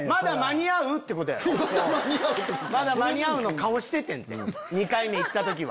バレたんすか⁉まだ間に合うの顔しててんて２回目行った時は。